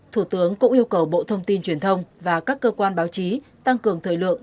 thủ tướng cũng yêu cầu bộ thông tin truyền thông và các cơ quan báo chí tăng cường thời lượng